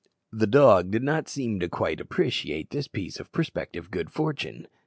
The dog did not seem quite to appreciate this piece of prospective good fortune.